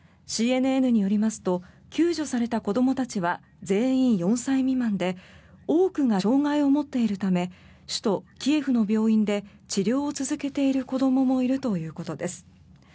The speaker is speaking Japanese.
ＣＮＮによりますと救助された子どもたちは全員４歳未満で多くが障害を持っているため首都キエフの病院で治療を続けている子どももいるということです。